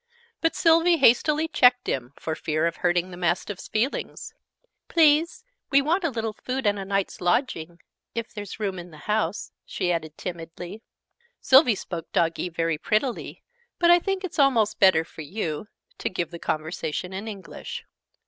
But Sylvie hastily checked him, for fear of hurting the Mastiff's feelings. "Please, we want a little food, and a night's lodging if there's room in the house," she added timidly. Sylvie spoke Doggee very prettily: but I think it's almost better, for you, to give the conversation in English.